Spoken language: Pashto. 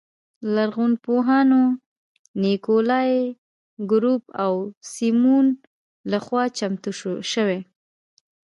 لرغونپوهانو نیکولای ګروب او سیمون لخوا چمتو شوې.